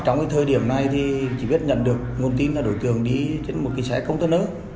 trong thời điểm này chỉ biết nhận được nguồn tin là đối tượng đi trên một kỳ xã công tân ớ